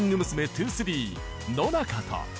’２３ 野中と